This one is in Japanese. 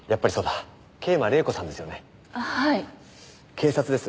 警察です。